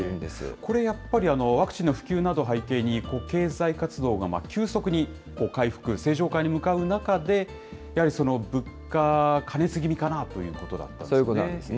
これ、やっぱりワクチンの普及など背景に、経済活動が急速に回復、正常化に向かう中で、やはりその、物価過熱気味かなということだったんですかね。